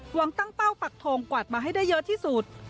หวังตั้งเป้าปักทงกวาดมาให้ได้เยอะที่สุด